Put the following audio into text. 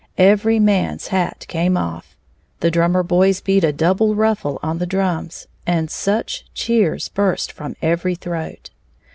Every man's hat came off, the drummer boys beat a double ruffle on the drums, and such cheers burst from every throat!